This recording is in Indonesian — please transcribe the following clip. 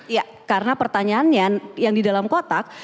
ya karena pertanyaannya yang di dalam kotak